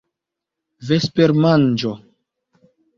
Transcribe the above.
vespermanĝo